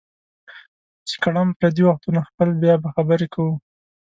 چې کړم پردي وختونه خپل بیا به خبرې کوو